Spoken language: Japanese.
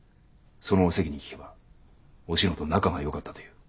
そのおせきに聞けばおしのと仲がよかったという。